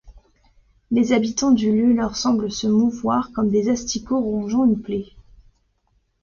Les habitants du lieu leur semblent se mouvoir comme des asticots rongeant une plaie.